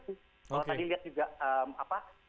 kalau tadi lihat juga